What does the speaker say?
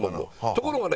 ところがね